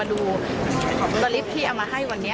หลักเกณฑ์ปกติของบริษัทอยู่แล้วที่จะต้องจ่ายชำระให้เด็กวันไหน